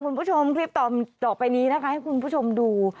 คุณผู้ชมคลิปต่อไปนี้นะคะให้คุณผู้ชมดู